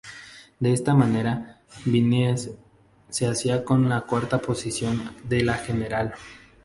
De esta manera Vinyes se hacía con la cuarta posición de la general.